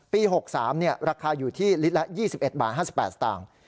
๖๓ราคาอยู่ที่ลิตรละ๒๑บาท๕๘สตางค์